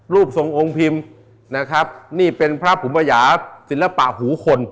รูปทรงองค์พิมพ์นะครับนี่เป็นพระภูมิปัญญาศิลปะหูคน